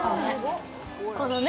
このね。